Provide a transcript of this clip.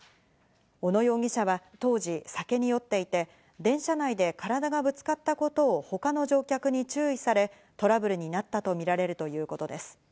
小野容疑者は当時、酒に酔っていて、電車内で体がぶつかったことを他の乗客に注意され、トラブルになったとみられるということです。